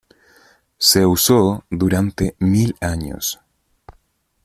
Se usó durante mil años.